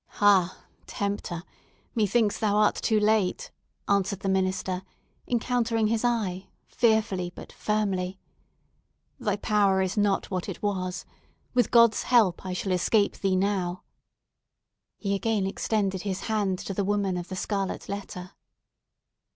"Ha, tempter! Methinks thou art too late!" answered the minister, encountering his eye, fearfully, but firmly. "Thy power is not what it was! With God's help, I shall escape thee now!" He again extended his hand to the woman of the scarlet letter.